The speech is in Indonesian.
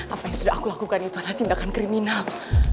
apa yang sudah aku lakukan itu adalah tindakan kriminal